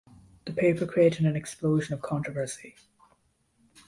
The paper created an explosion of controversy.